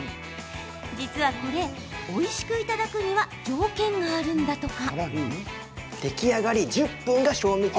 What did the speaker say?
実はこれ、おいしくいただくには条件があるんだとか。